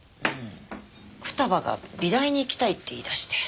二葉が美大に行きたいって言い出して。